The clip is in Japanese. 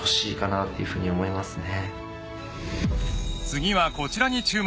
［次はこちらに注目］